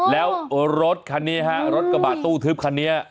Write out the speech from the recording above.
แล้วรถคันนี้ฮะรถกระบะตู้ทึบคันนี้